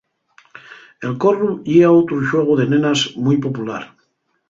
El corru yía outru xuegu de nenas mui popular.